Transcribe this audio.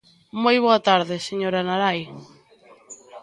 Moi boa tarde, señora Narai.